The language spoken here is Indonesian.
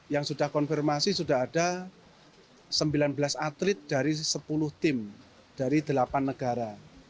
yang sudah konfirmasi sudah ada sembilan belas atlet dari sepuluh tim dari delapan negara